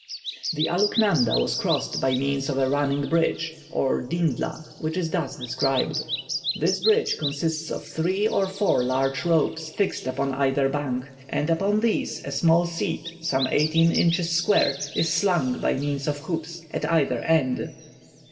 The Aluknanda was crossed by means of a running bridge, or "Dindla," which is thus described: "This bridge consists of three or four large ropes fixed upon either bank, and upon these a small seat some eighteen inches square is slung by means of hoops at either end.